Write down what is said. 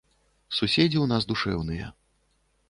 Суседзі ў нас душэўныя.